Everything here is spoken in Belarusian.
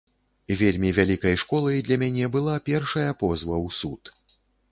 Вельмі вялікай школай для мяне была першая позва ў суд.